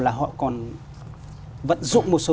là họ còn vận dụng một số